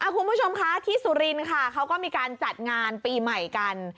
คุณผู้ชมคะที่สุรินค่ะเขาก็มีการจัดงานปีใหม่กัน